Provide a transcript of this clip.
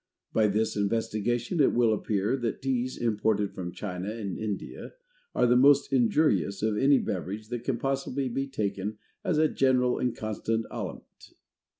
By this investigation it will appear, that Teas imported from China and India are the most injurious of any beverage that can possibly be taken as a general and constant aliment.